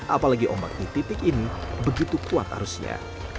apalagi ombak di titik ini begitu kuat arusnya